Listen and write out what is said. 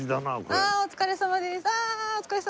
ああお疲れさまです。